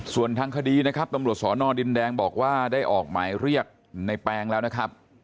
ส่วนทางคดีนะครับตำรวจสอนอดินแดงบอกว่าได้ออกหมายเรียกในแปงแล้วนะครับ